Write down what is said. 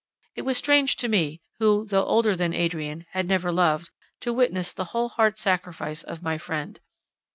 It was strange to me, who, though older than Adrian, had never loved, to witness the whole heart's sacrifice of my friend.